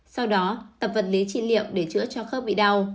sau đó tập vật lý trị liệu để chữa cho khớp bị đau